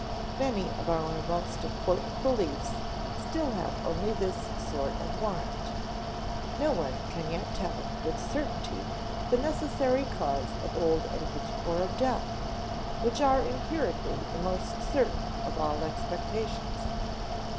Many of our most important beliefs still have only this sort of warrant. No one can yet tell, with certainty, the necessary cause of old age or of death which are empirically the most certain of all expectations.